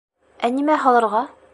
Ә нимә һалырға?